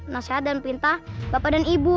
nasihat dan pintar bapak dan ibu